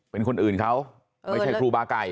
เป็นคนอื่นเขาไม่ใช่ครูบาไก่